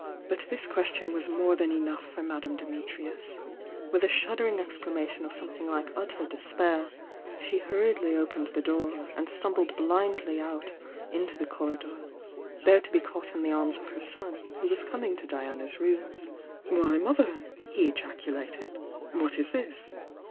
But this question was more than enough for Madame Dimitrius. Witii a shuddering exclama tion of something like utter despair, she hurriedly opened the door, and stumbled blindly out into the corridor, there to be caught in the arms of her son, who was coming to Diana's rooms. "Why, mother!" he ejaculated— "what is this?"